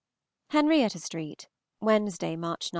HENRIETTA ST., Wednesday (March 9).